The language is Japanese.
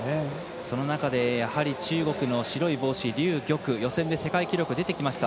その中で、やはり中国の白い帽子劉玉、予選で世界記録出てきました。